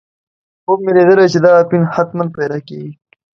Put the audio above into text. خوب مې لیدلی چې دا اپین حتماً پیدا کېږي.